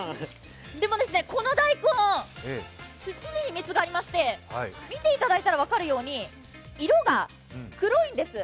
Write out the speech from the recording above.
でもこの大根、土に秘密がありまして見ていただいたら分かるように色が黒いんです。